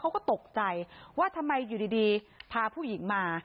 เขาก็ตกใจว่าทำไมอยู่ดีพาผู้หญิงมา